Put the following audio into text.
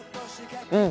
うん！